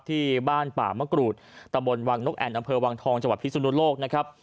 ที่บ้านป่ามะกรูดตะบนวังนกแอ่นอำเภอวังทองจังหวัดพิสุนุโลกนะครับ